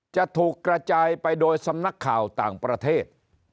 จะถูกกระจายไปโดยสำนักข่าวต่างประเทศ